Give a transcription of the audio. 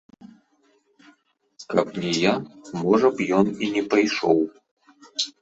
Каб не я, можа б, ён і не пайшоў.